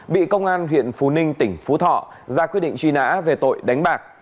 bị công an huyện phú ninh tỉnh phú thọ ra quyết định truy nã về tội đánh bạc